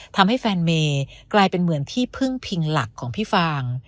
ทำให้แฟนเมย์กลายเป็นเหมือนที่พึ่งพิงหลักของพี่ฟาง